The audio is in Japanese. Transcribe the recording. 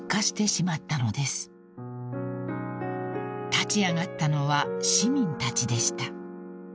［立ち上がったのは市民たちでした］